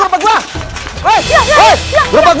weh berapa banyak tuh gerobak gue